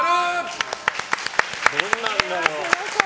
どんなんだろう。